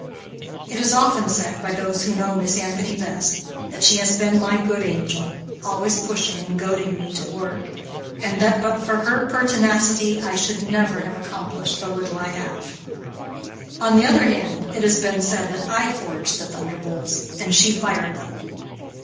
It is often said, by those who know Miss Anthony best, that she has been my good angel, always pushing and goading me to work, and that but for her pertinacity I should never have accomplished the little I have. On the other hand it has been said that I forged the thunderbolts and she fired them.